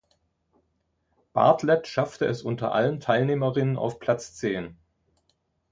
Bartlett schaffte es unter allen Teilnehmerinnen auf Platz zehn.